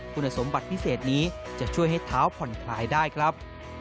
คุณสมบัติพิเศษนี้จะช่วยให้เท้าผ่อนคลายได้ครับ